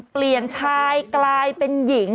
เปลี่ยนชายกลายเป็นหญิง